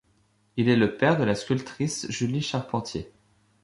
Il est le père de la sculptrice Julie Charpentier.